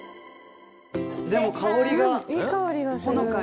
でも香りがほのかに。